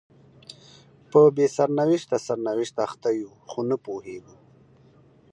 په بې سرنوشته سرنوشت اخته یو خو نه پوهیږو